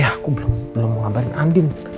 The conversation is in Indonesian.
eh aku belum ngabarin andin